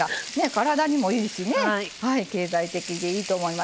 体にもいいし経済的でいいと思います。